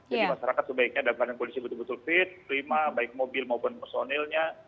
jadi masyarakat sebaiknya ada keadaan polisi betul betul fit prima baik mobil maupun personilnya